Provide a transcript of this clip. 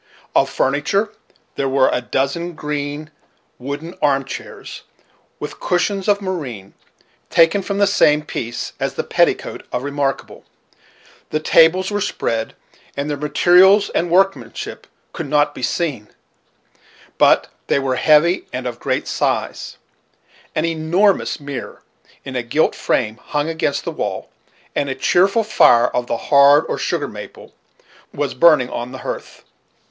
Of furniture, there were a dozen green, wooden arm chairs, with cushions of moreen, taken from the same piece as the petticoat of Remarkable. The tables were spread, and their materials and workmanship could not be seen; but they were heavy and of great size, An enormous mirror, in a gilt frame, hung against the wall, and a cheerful fire, of the hard or sugar maple, was burning on the hearth.